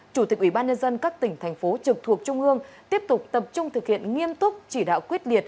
chủ tịch ủy ban nhân dân các tỉnh thành phố trực thuộc trung ương tiếp tục tập trung thực hiện nghiêm túc chỉ đạo quyết liệt